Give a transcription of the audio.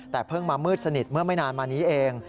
แต่เพิ่งมามืดสนิทเมื่อไม่นานมานี้เอง